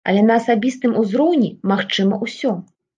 Але на асабістым узроўні магчыма ўсё!